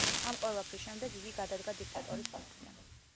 ამ ყველაფრის შემდეგ იგი გადადგა დიქტატორის პოსტიდან.